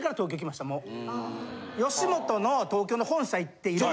吉本の東京の本社行っていろんな。